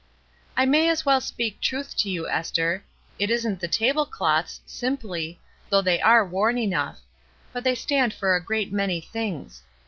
''I may as well speak truth to you, Esther. It isn't the tablecloths, simply, though they are worn enough; but they stand for a great many things.